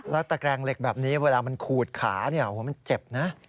แล้วตะแกรงเหล็กแบบนี้เวลามันขูดขามันเจ็บนะ